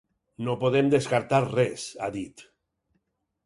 No podem descartar res, ha dit.